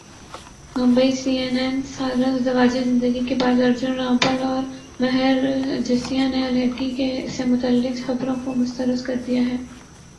Mumbai C N N سالہ ازدواجی زندگی کے بعد ارجن رامپال اور مہر جسیہ نے علیحدگی سے متعلق خبروں کع مسترد کردیا ہے